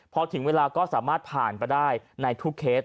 พอถึงเวลาก็สามารถผ่านไปได้ในทุกเคส